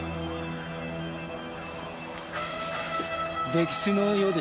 溺死のようです。